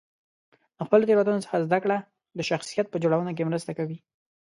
د خپلو تېروتنو څخه زده کړه د شخصیت په جوړونه کې مرسته کوي.